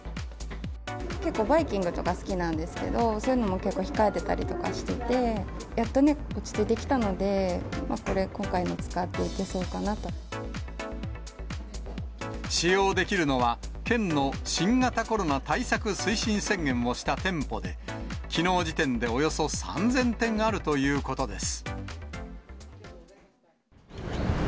結構、バイキングとか好きなんですけど、そういうのも結構控えてたりとかして、やっとね、落ち着いてきたので、使用できるのは、県の新型コロナ対策推進宣言をした店舗で、きのう時点でおよそ３０００店あるということです。